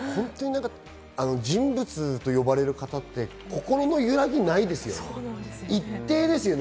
人物と呼ばれる方、心の揺らぎがないですよね。